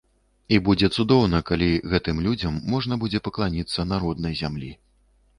І будзе цудоўна, калі гэтым людзям можна будзе пакланіцца на роднай зямлі.